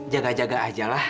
jaga jaga aja lah